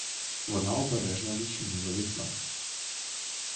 Вона обережно відчинила вікно.